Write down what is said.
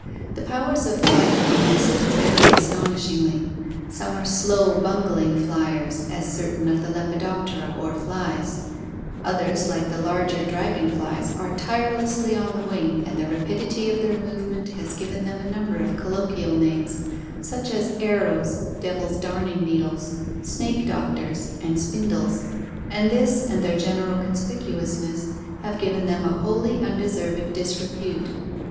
The powers of flight among insects vary astonishingly. Some 450 ORGANIC EVOLUTION are slow, bungling fliers, as certain of the Lepidoptera or flies; others, like the larger dragon flies, are tirelessly on the wing and the rapidity of their movement has given them a number of colloquial names, such as arrows, devil's darning needles, snake doctors, and spindles, and this and their general conspicuousness have given them a wholly undeserved disrepute.